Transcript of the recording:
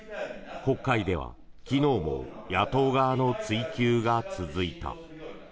国会では昨日も野党側の追及が続いた。